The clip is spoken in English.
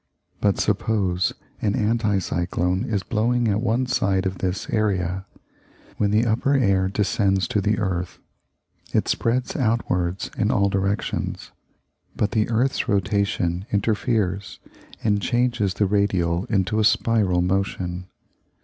But suppose an anti cyclone is blowing at one side of this area. When the upper air descends to the earth, it spreads outwards in all directions; but the earth's rotation interferes and changes the radial into a spiral motion.